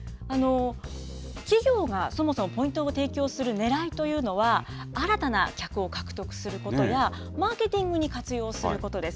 企業がそもそもポイントを提供するねらいというのは、新たな顧客を獲得することや、マーケティングに活用することです。